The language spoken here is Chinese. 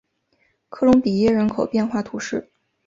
科隆比耶人口变化图示